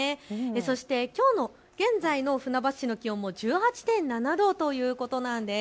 そして現在の船橋市の気温も１８．７度ということなんです。